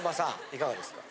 いかがですか？